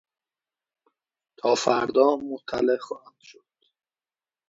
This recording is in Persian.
تا فردا مطلع خواهم شد.